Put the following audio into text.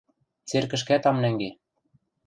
Церкӹшкӓт ам нӓнге.